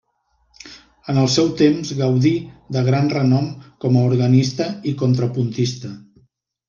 En el seu temps gaudí de gran renom com a organista i contrapuntista.